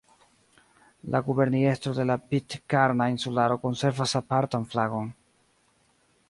La Guberniestro de la Pitkarna Insularo konservas apartan flagon.